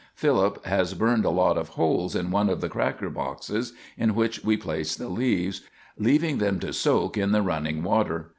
Philip has burned a lot of holes in one of the cracker boxes, in which we place the leaves, leaving them to soak in the running water."